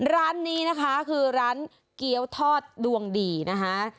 ร้านนี้นะคะคือร้านเกี้ยวทอดดวงดีนะคะ